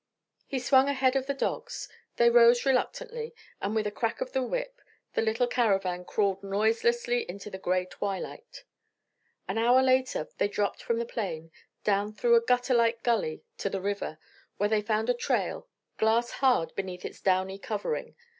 He swung ahead of the dogs; they rose reluctantly, and with a crack of the whip the little caravan crawled noiselessly into the gray twilight. An hour later they dropped from the plain, down through a gutter like gully to the river, where they found a trail, glass hard beneath its downy covering.